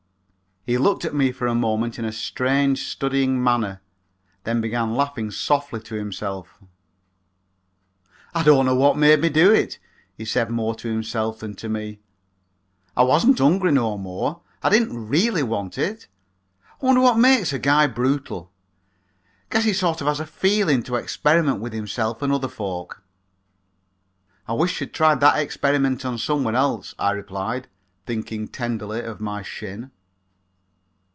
He looked at me for a moment in a strange, studying manner, then began laughing softly to himself. "I don't know what made me do it," he said more to himself than to me. "I wasn't hungry no more. I didn't really want it. I wonder what makes a guy brutal? Guess he sort of has a feelin' to experiment with himself and other folks." "I wish you'd tried that experiment on some one else," I replied, thinking tenderly of my shin.